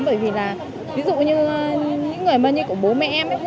bởi vì là ví dụ như những người mà như của bố mẹ em